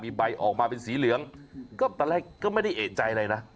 มีใบออกมาเป็นสีเหลืองก็ตอนแรกก็ไม่ได้เอกใจอะไรนะ